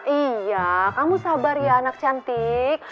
iya kamu sabar ya anak cantik